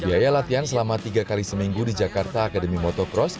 biaya latihan selama tiga kali seminggu di jakarta akademi motocross